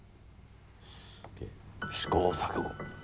試行錯誤。